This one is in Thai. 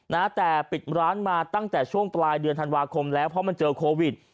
นะแต่ปิดร้านมาตั้งแต่ช่วงปลายเดือนธันวาคมแล้วเพราะมันเจอโควิด